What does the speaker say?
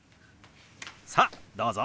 さあどうぞ！